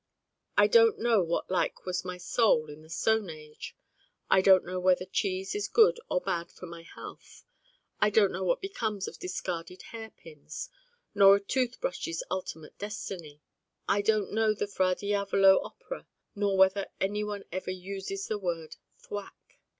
I Don't Know what like was my Soul in the Stone Age: I don't know whether cheese is good or bad for my health: I don't know what becomes of discarded hairpins, nor a tooth brush's ultimate destiny: I don't know the 'Fra Diavolo' opera, nor whether anyone ever uses the word 'thwack.